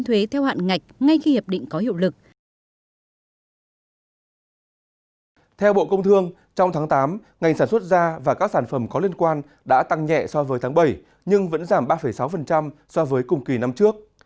theo bộ công thương trong tháng tám ngành sản xuất da và các sản phẩm có liên quan đã tăng nhẹ so với tháng bảy nhưng vẫn giảm ba sáu so với cùng kỳ năm trước